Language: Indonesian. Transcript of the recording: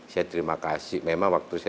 saya terima kasih memang waktu saya